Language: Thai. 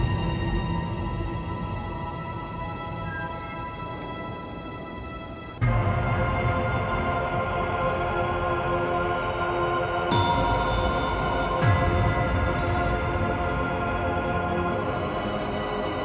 ช่วยด้วยได้ป่ะ